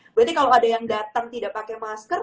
berarti kalau ada yang datang tidak pakai masker